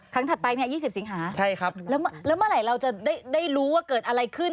ถัดไปเนี่ย๒๐สิงหาแล้วเมื่อไหร่เราจะได้รู้ว่าเกิดอะไรขึ้น